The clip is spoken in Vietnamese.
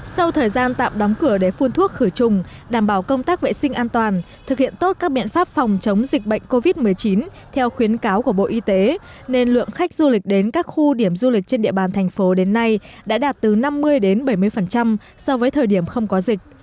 sau thời gian tạm đóng cửa để phun thuốc khử trùng đảm bảo công tác vệ sinh an toàn thực hiện tốt các biện pháp phòng chống dịch bệnh covid một mươi chín theo khuyến cáo của bộ y tế nên lượng khách du lịch đến các khu điểm du lịch trên địa bàn thành phố đến nay đã đạt từ năm mươi đến bảy mươi so với thời điểm không có dịch